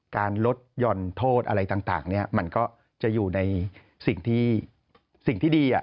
การลดหย่อนโทษอะไรต่างมันก็จะอยู่ในสิ่งที่ดี